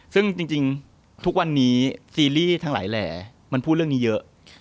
ซึ่งจริงทุกวันนี้ซีรีส์ทั้งหลายแหล่มันพูดเรื่องนี้เยอะ